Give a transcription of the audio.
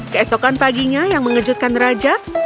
keesokan paginya yang mengejutkan raja